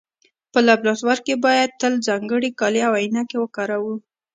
په لابراتوار کې باید تل ځانګړي کالي او عینکې وکاروو.